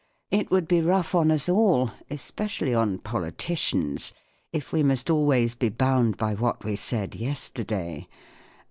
It would be rough on us all (especially on politicians) if we must always be bound by what we said yesterday.